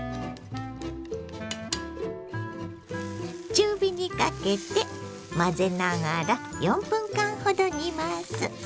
中火にかけて混ぜながら４分間ほど煮ます。